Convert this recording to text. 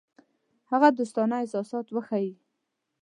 هغه دوستانه احساسات وښيي.